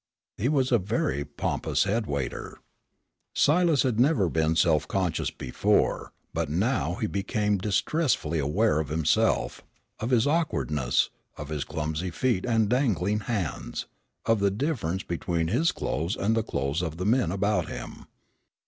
He was a very pompous head waiter. Silas had never been self conscious before, but now he became distressfully aware of himself of his awkwardness, of his clumsy feet and dangling hands, of the difference between his clothes and the clothes of the men about him.